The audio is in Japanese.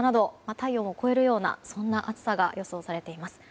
体温を超えるようなそんな暑さが予想されています。